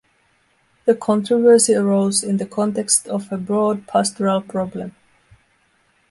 The controversy arose in the context of a broad pastoral problem.